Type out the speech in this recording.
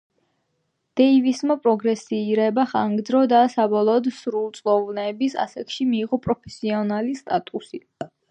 დეივისმა პროგრესირება განაგრძო და, საბოლოოდ, სრულწლოვანების ასაკში მიიღო პროფესიონალის სტატუსი.